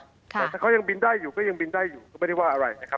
แต่ถ้าเขายังบินได้อยู่ก็ยังบินได้อยู่ก็ไม่ได้ว่าอะไรนะครับ